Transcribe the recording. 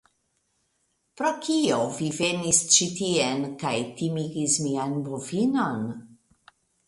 Pro kio vi venis ĉi tien kaj timigis mian bovinon?